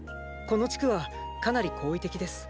この地区はかなり好意的です。